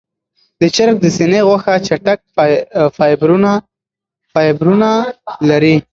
د چرګ د سینې غوښه چټک فایبرونه لري.